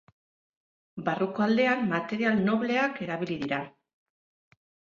Barruko aldean material nobleak erabili dira.